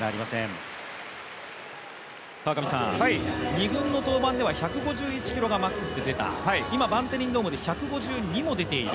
２軍の登板では１５１キロがマックスで出た今、バンテリンドームで１５２も出ている。